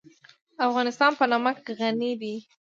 افغانستان په نمک غني دی.